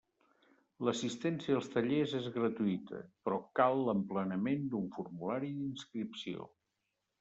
L'assistència als tallers és gratuïta, però cal l'emplenament d'un formulari d'inscripció.